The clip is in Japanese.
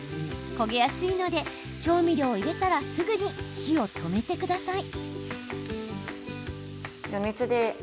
焦げやすいので調味料を入れたらすぐに火を止めてください。